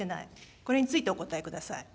これについてお答えください。